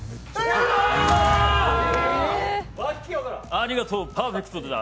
ありがとう、パーフェクトだ。